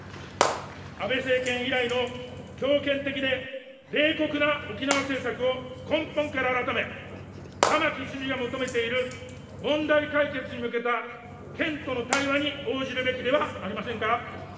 安倍政権以来の強権的で冷酷な沖縄政策を根本から改め、玉城知事が求めている問題解決に向けた県との対話に応じるべきではありませんか。